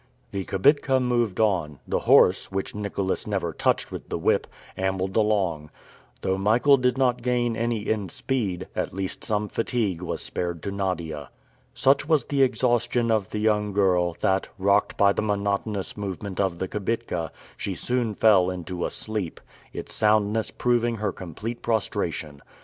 The kibitka moved on; the horse, which Nicholas never touched with the whip, ambled along. Though Michael did not gain any in speed, at least some fatigue was spared to Nadia. Such was the exhaustion of the young girl, that, rocked by the monotonous movement of the kibitka, she soon fell into a sleep, its soundness proving her complete prostration.